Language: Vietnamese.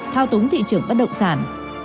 thao túng thị trường bất động sản